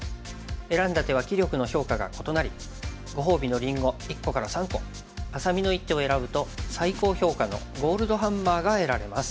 選んだ手は棋力の評価が異なりご褒美のりんご１個から３個愛咲美の一手を選ぶと最高評価のゴールドハンマーが得られます。